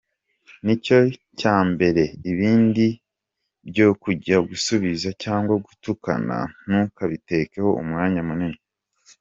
Ni cyo cya mbere, ibindi byo kujya gusubiza cyangwa gutukana ntukabiteho umwanya munini.